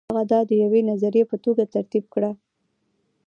هغه دا د یوې نظریې په توګه ترتیب کړه.